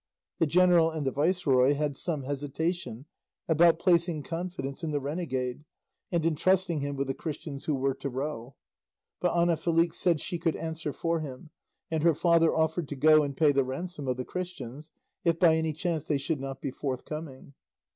The general and the viceroy had some hesitation about placing confidence in the renegade and entrusting him with the Christians who were to row, but Ana Felix said she could answer for him, and her father offered to go and pay the ransom of the Christians if by any chance they should not be forthcoming.